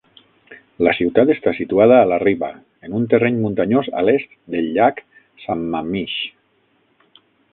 La ciutat està situada a la riba, en un terreny muntanyós a l'est del llac Sammamish.